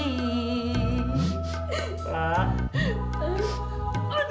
ella emang sedih